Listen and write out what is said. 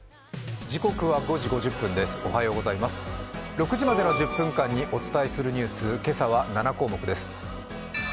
６時までの１０分間にお伝えするニュース、今朝は７項目です。